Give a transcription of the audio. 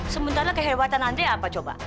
sementara kehebatan andre apa coba